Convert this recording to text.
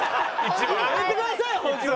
やめてくださいよ本当に。